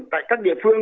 tại các địa phương